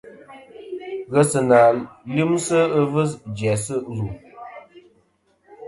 Ghesɨnà lyɨmsɨ ɨvɨs jæsɨ lù.